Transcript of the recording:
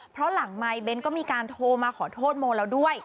เพราะหลังมายเบ้นต์ก็มีการโทรมาขอโทษโมเราด้วย